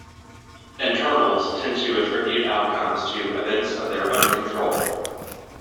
"Internals" tend to attribute outcomes of events to their own control.